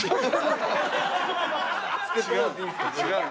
違う？